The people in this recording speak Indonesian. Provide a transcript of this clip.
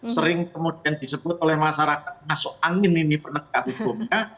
sering kemudian disebut oleh masyarakat masuk angin ini penegak hukumnya